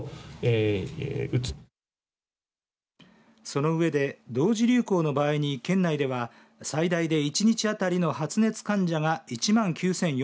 その上で同時流行の場合に県内では最大で１日当たりの発熱患者が１万９４００人。